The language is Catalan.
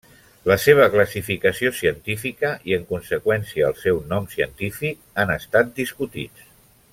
La seva classificació científica, i en conseqüència el seu nom científic, han estat discutits.